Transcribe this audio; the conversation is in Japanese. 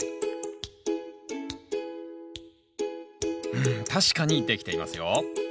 うん確かにできていますよ。